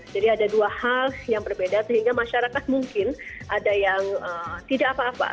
jadi ada dua hal yang berbeda sehingga masyarakat mungkin ada yang tidak apa apa